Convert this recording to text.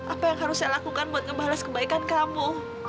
apa yang harus saya lakukan buat ngebalas kebaikan kamu